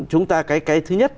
chúng ta cái thứ nhất